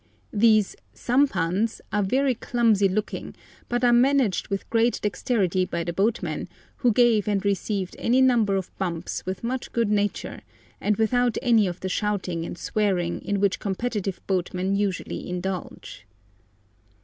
These sampans are very clumsy looking, but are managed with great dexterity by the boatmen, who gave and received any number of bumps with much good nature, and without any of the shouting and swearing in which competitive boatmen usually indulge.